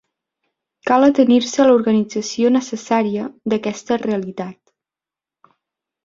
Cal atenir-se a l'organització necessària d'aquesta realitat.